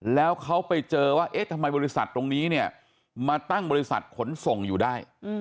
แล้วเขาไปเจอว่าเอ๊ะทำไมบริษัทตรงนี้เนี่ยมาตั้งบริษัทขนส่งอยู่ได้